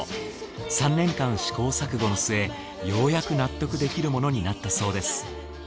３年間試行錯誤の末ようやく納得できるものになったそうです。